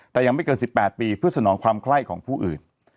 แต่ยังไม่เกิน๑๘ปีเพื่อสนองความไข้ของผู้อื่น